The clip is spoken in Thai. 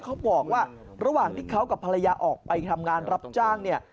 เขาบอกว่าระหว่างที่เขากับภรรยาออกไปทำงานรับจ้างเนี่ย